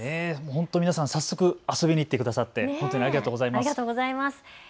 本当に皆さん早速遊びに行っていただいてありがとうございます。